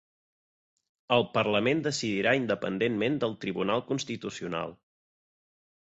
El parlament decidirà independentment del Tribunal Constitucional